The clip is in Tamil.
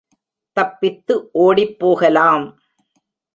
தப்பித்து ஓடிப் போகலாம்!